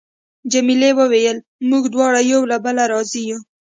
جميلې وويل: موږ دواړه یو له بله راضي یو.